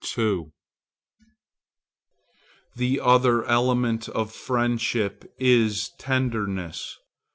The other element of friendship is tenderness.